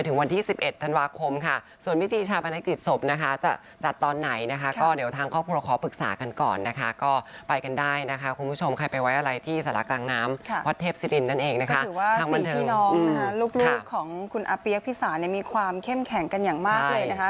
ถือว่าสี่พี่น้องนะคะ๔น้องลูกของขุนอาเปี๊ยกพี่ศาทน์มีความเข้มแข่งกันอย่างมากเลยนะฮะ